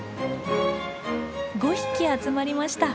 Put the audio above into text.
５匹集まりました。